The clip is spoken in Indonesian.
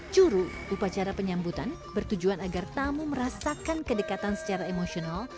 curu upacara penyambutan bertujuan agar tamu merasakan kedekatan secara emosional